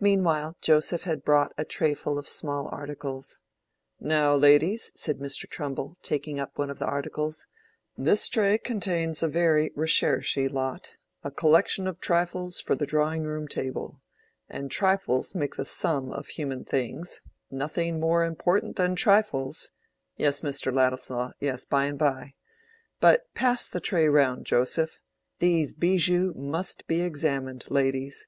Meanwhile Joseph had brought a trayful of small articles. "Now, ladies," said Mr. Trumbull, taking up one of the articles, "this tray contains a very recherchy lot—a collection of trifles for the drawing room table—and trifles make the sum of human things—nothing more important than trifles—(yes, Mr. Ladislaw, yes, by and by)—but pass the tray round, Joseph—these bijoux must be examined, ladies.